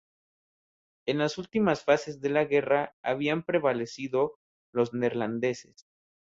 En las últimas fases de la guerra habían prevalecido los neerlandeses.